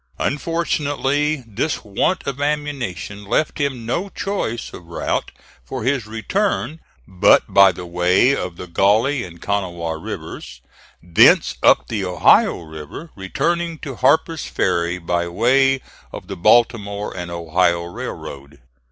Unfortunately, this want of ammunition left him no choice of route for his return but by the way of the Gauley and Kanawha rivers, thence up the Ohio River, returning to Harper's Ferry by way of the Baltimore and Ohio Railroad.